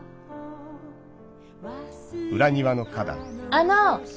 あの。